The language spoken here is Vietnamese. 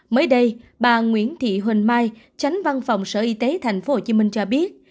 mới đây bà nguyễn thị huỳnh mai tránh văn phòng sở y tế tp hcm cho biết